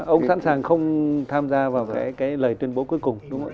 ông sẵn sàng không tham gia vào cái lời tuyên bố cuối cùng đúng không ạ